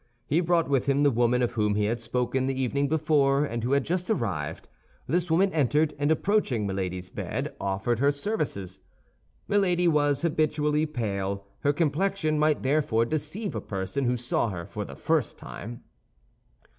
He brought with him the woman of whom he had spoken the evening before, and who had just arrived; this woman entered, and approaching Milady's bed, offered her services. Milady was habitually pale; her complexion might therefore deceive a person who saw her for the first time.